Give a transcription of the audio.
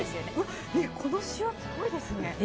この塩すごいですね。